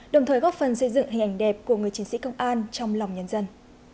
đồng thời góp phần xây dựng hình ảnh đẹp của người chiến sĩ công an trong lòng nhân dân